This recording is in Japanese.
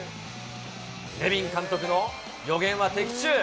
ネビン監督の予言は的中。